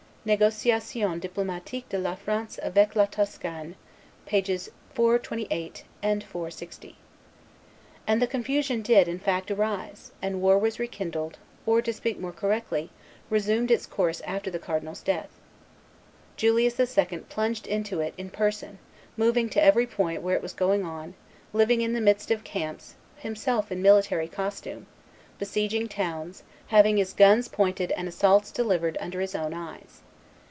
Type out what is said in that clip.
[Negociations Diplomatiques de la France avec la Toscane, t. ii. pp. 428 and 460.] And the confusion did, in fact, arise; and war was rekindled, or, to speak more correctly, resumed its course after the cardinal's death. Julius II. plunged into it in person, moving to every point where it was going on, living in the midst of camps, himself in military costume, besieging towns, having his guns pointed and assaults delivered under his own eyes.